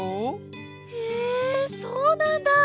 えそうなんだ！